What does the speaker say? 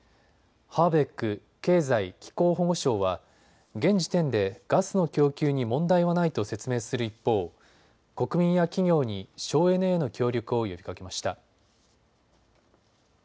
ハーベック経済・気候保護相は現時点でガスの供給に問題はないと説明する一方、国民や企業に省エネへの協力を呼びかけました。